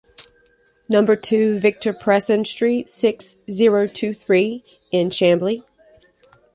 Number two, Victor Presson Street, six-zero-two-three in Chambly.